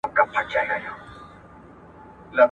ایا د ښوونځیو ودانۍ د زده کړي لپاره مناسبې دي؟